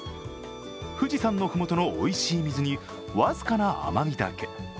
富士山の麓のおいしい水に僅かな甘みだけ。